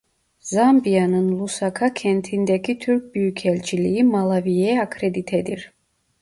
Zambiya'nın Lusaka kentindeki Türk büyükelçiliği Malavi'ye akreditedir.